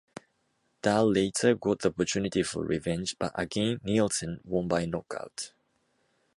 Dahl later got the opportunity for revenge, but again Nielsen won by knockout.